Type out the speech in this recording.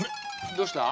どうした？